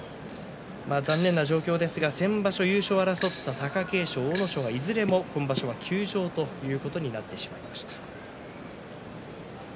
残念な状況ですが先場所優勝を争った貴景勝、阿武咲いずれも今場所、休場ということになってしまいました。